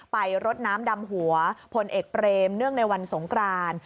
รดน้ำดำหัวพลเอกเปรมเนื่องในวันสงคราน